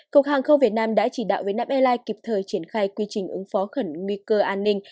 cục hàng không việt nam đã chỉ đạo vietnam airlines kịp thời triển khai quy trình ứng phó khẩn nguy cơ an ninh